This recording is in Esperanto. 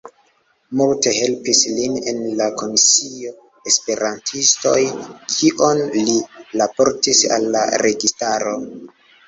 Multe helpis lin en la komisio Esperantistoj, kion li raportis al la registaro.